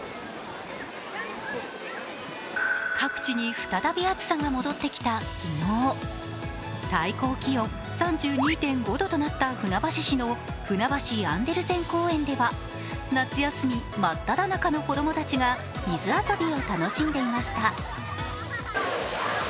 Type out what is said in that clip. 各地に再び暑さが戻ってきた昨日、最高気温３２．５度となった船橋市のふなばしアンデルセン公園では、夏休み真っただ中の子供たちが水遊びを楽しんでいました。